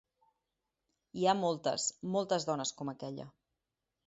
I hi ha moltes, moltes dones com aquella.